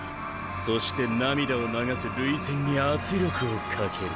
そして涙を流す涙腺に圧力をかける。